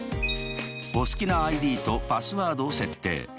お好きなＩＤとパスワードを設定。